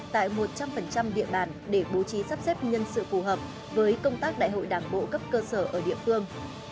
tại một trăm linh địa bàn để bố trí sắp xếp nhân sự phù hợp với công tác đại hội đảng bộ cấp cơ sở ở địa phương